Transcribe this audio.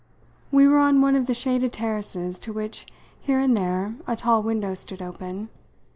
We were on one of the shaded terraces, to which, here and there, a tall window stood open.